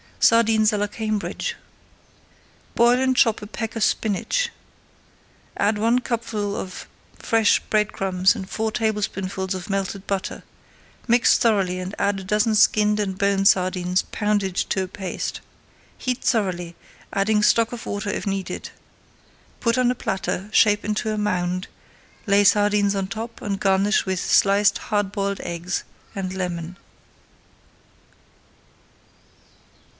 SARDINES À LA CAMBRIDGE Boil and chop a peck of spinach. Add one [Page 319] cupful of fresh bread crumbs and four tablespoonfuls of melted butter. Mix thoroughly and add a dozen skinned and boned sardines pounded to a paste. Heat thoroughly, adding stock or water if needed. Put on a platter, shape into a mound, lay sardines on top and garnish with sliced hard boiled eggs and lemon.